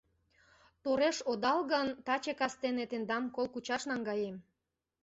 — Тореш одал гын, таче кастене тендам кол кучаш наҥгаем.